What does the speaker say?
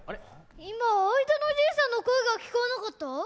いまあいだのじいさんのこえがきこえなかった？